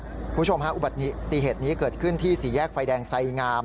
คุณผู้ชมฮะอุบัติเหตุนี้เกิดขึ้นที่สี่แยกไฟแดงไสงาม